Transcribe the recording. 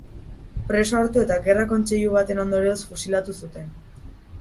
Preso hartu eta gerra-kontseilu baten ondorioz fusilatu zuten.